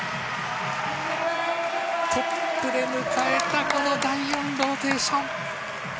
トップで迎えた第４ローテーション。